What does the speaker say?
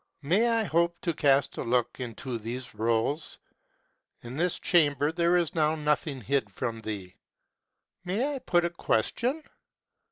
" May I hope to cast a look into these rolls? "" In this chamber there is now nothing hid from you." " May I put a question?